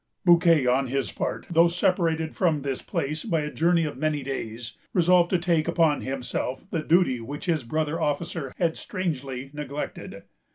Bouquet, on his part, though separated from this place by a journey of many days, resolved to take upon himself the duty which his brother officer had strangely neglected.